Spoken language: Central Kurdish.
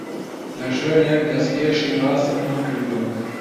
لە شوێنێک دەستکێشی ڕاستم ون کردووە.